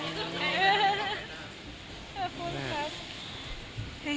ขอบคุณครับ